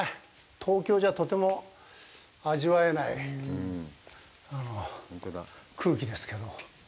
東京じゃとても味わえない空気ですけど。